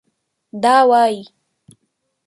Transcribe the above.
دا وايي